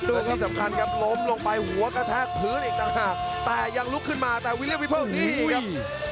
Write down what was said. ซึ่งที่สำคัญครับล้มลงไปหัวกระแทกพื้นอีกต่างหากแต่ยังลุกขึ้นมาแต่วิลเลียวิเพิกนี่ครับ